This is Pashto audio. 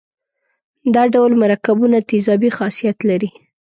دا ډول مرکبونه تیزابي خاصیت لري.